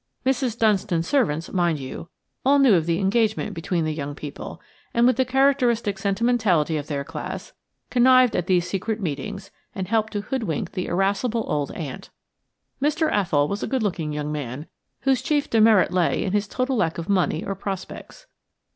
Mrs. Dunstan's servants, mind you, all knew of the engagement between the young people, and with the characteristic sentimentality of their class, connived at these secret meetings and helped to hoodwink the irascible old aunt. Mr. Athol was a good looking young man, whose chief demerit lay in his total lack of money or prospects.